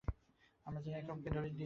আমরা জানি, একে অপরকে অনেক দিন ধরে।